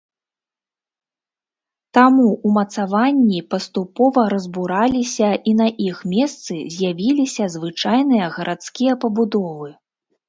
Таму ўмацаванні паступова разбураліся і на іх месцы з'явіліся звычайныя гарадскія пабудовы.